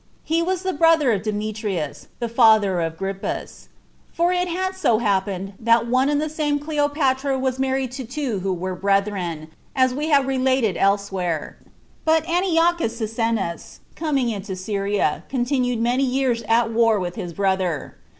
He was the brother of Demetrius, the father of Grypus; for it had so happened, that one and the same Cleopatra was married to two who were brethren, as we have related elsewhere. But Antiochus Cyzicenus coming into Syria, continued many years at war with his brother.